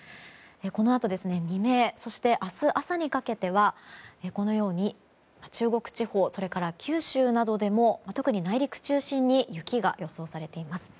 このあと、未明そして明日朝にかけてはこのように中国地方それから九州などでも特に内陸中心に雪が予想されています。